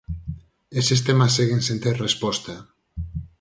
Eses temas seguen sen ter resposta.